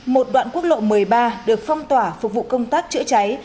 một đoạn quốc lộ một mươi ba được phong tỏa phục vụ công tác chữa cháy